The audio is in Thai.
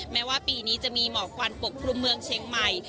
แม้ว่าปีนี้จะมีหมอกควันปกครุมเมืองเชียงใหม่